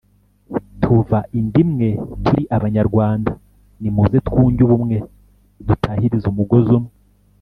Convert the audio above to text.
tuva inda imwe turi Abanyarwanda nimuze twunge ubumwe dutahirize umugozi umwe’’